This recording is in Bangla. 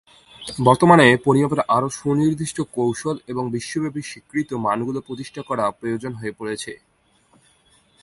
বর্তমানে পরিমাপের আরও সুনির্দিষ্ট কৌশল এবং বিশ্বব্যাপী স্বীকৃত মানগুলি প্রতিষ্ঠা করা প্রয়োজন হয়ে পড়েছে।